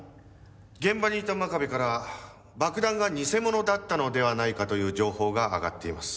現場にいた真壁から爆弾が偽物だったのではないかという情報が上がっています。